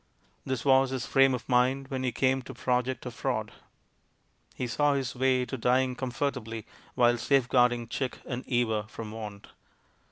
This was his frame of mind when he came to project a fraud. He saw his way to dying com fortably while safeguarding Chick and Eva from want.